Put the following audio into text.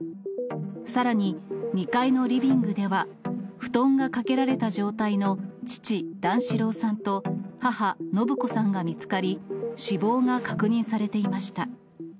さらに２階のリビングでは、布団がかけられた状態の父、段四郎さんと母、延子さんが見つかり、死亡が確認されていました。